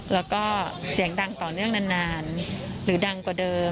แล้วก็เสียงดังต่อเนื่องนานหรือดังกว่าเดิม